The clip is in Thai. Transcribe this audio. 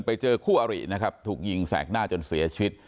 ไปเจอคู่อรินะครับถูกยิงแสกหน้าจนเสียชีวิต